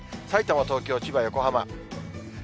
さいたま、東京、千葉、横浜。